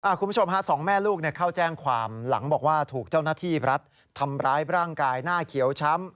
คุณผู้ชมฮะสองแม่ลูกเข้าแจ้งความหลังบอกว่าถูกเจ้าหน้าที่รัฐทำร้ายร่างกายหน้าเขียวช้ำ